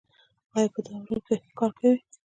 ایا په دوړو کې کار کوئ؟